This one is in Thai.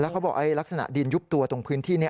เขาบอกลักษณะดินยุบตัวตรงพื้นที่นี้